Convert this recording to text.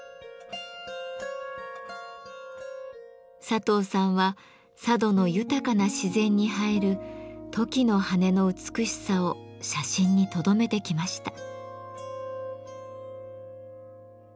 佐藤さんは佐渡の豊かな自然に映えるトキの羽の美しさを写真にとどめてきました。